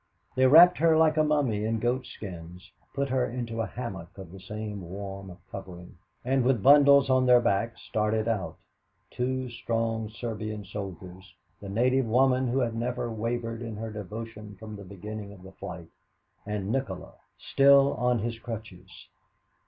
They wrapped her like a mummy in goat skins, put her into a hammock of the same warm covering, and with bundles on their back, started out two strong Serbian soldiers, the native woman who had never wavered in her devotion from the beginning of the flight, and Nikola, still on his crutches.